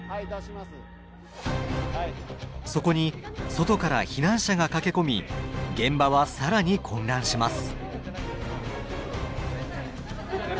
そこに外から避難者が駆けこみ現場は更に混乱します。